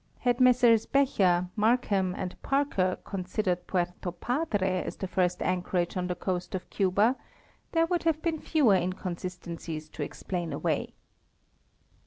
Had Messrs Becher, Markham, and Par ker considered Puerto Padre as the first anchorage on the coast of Cuba there would have been fewer inconsistencies to explain away.